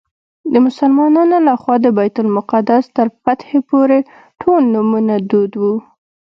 د مسلمانانو له خوا د بیت المقدس تر فتحې پورې ټول نومونه دود وو.